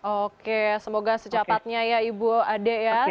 oke semoga secepatnya ya ibu ade ya